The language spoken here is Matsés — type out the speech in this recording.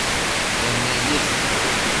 En naic nid